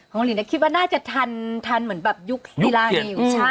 คูณหลีนจะคิดน่าจะทันทันเหมือนยุคศิลาลูกเกียรติ